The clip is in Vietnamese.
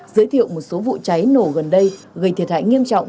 giới thiệu một số vụ cháy nổ gần đây gây thiệt hại nghiêm trọng